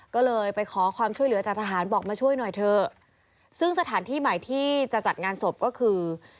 ก็เลยไปขอความช่วยเหลือจากทหารบอกมาช่วยหน่อยเถอะซึ่งสถานที่ใหม่ที่จะจัดงานศพก็คือ